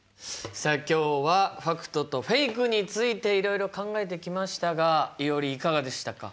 さあ今日はファクトとフェイクについていろいろ考えてきましたがいおりいかがでしたか？